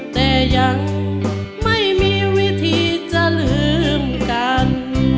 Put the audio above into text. แต่ยังไม่มีวิธีจะลืมกัน